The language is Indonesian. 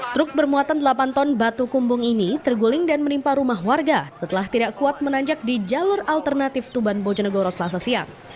truk bermuatan delapan ton batu kumbung ini terguling dan menimpa rumah warga setelah tidak kuat menanjak di jalur alternatif tuban bojonegoro selasa siang